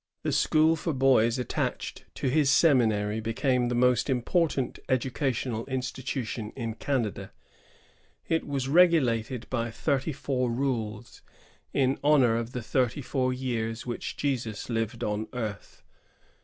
The school for boys attached to his seminary became the most important educational institution in Canada. It was regukted by thirty four rules, "in honor of the thirty four years which Jesus lived on earth."